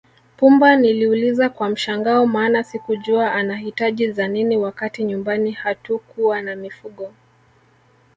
Pumba niliuliza kwa mshangao maana sikujua anahitaji za nini wakati nyumbani hatukuwa na mifugo